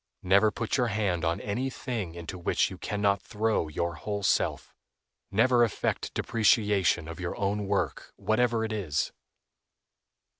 Never put your hand on any thing into which you can not throw your whole self; never affect depreciation of your own work, whatever it is.